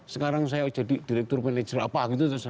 sekarang saya jadi direktur manajer apa gitu